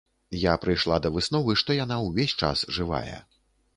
Я прыйшла да высновы, што яна ўвесь час жывая.